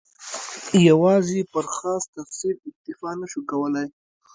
یوازې پر خاص تفسیر اکتفا نه شو کولای.